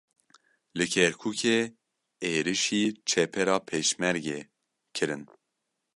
Li Kerkûkê êrişî çepera Pêşmerge kirin.